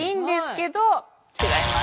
違います。